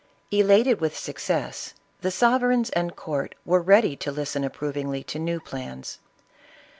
Elated with success, the sovereigns and court were ready to listen approvingly to new plans.